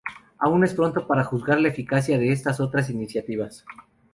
Aún es pronto para juzgar la eficacia de estas y otras iniciativas.